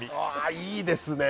いいですね！